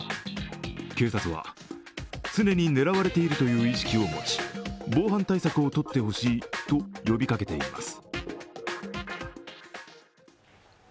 警察は、常に狙われているという意識を持ち防犯対策を取ってほしいと呼びかけています。